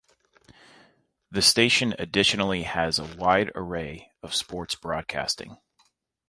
The station additionally has a wide array of sports broadcasting.